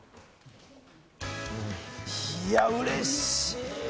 いや、うれしい。